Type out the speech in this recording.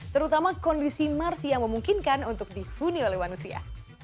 terutama kondisi marsi yang memungkinkan untuk dihuni oleh manusia